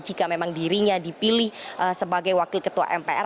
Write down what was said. jika memang dirinya dipilih sebagai wakil ketua mpr